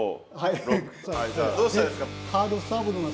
どうしたらいいですか？